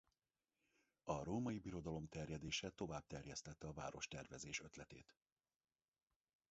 A Római Birodalom terjedése tovább terjesztette a várostervezés ötletét.